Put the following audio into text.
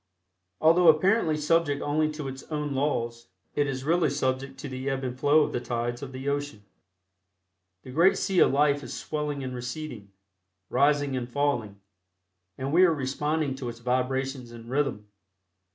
Although apparently subject only to its own laws, it is really subject to the ebb and flow of the tides of the ocean. The great sea of life is swelling and receding, rising and falling, and we are responding to its vibrations and rhythm.